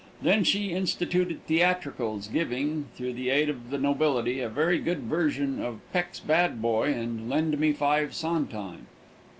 Then she instituted theatricals, giving, through the aid of the nobility, a very good version of "Peck's Bad Boy" and "Lend Me Five Centimes."